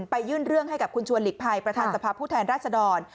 ยื่นเรื่องให้กับคุณชวนหลีกภัยประธานสภาพผู้แทนราชดร